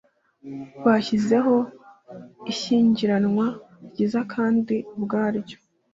bashyizeho ishyingiranwa ryiza, kandi ubwaryo